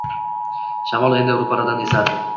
Shamol endi ro’paradan esardi.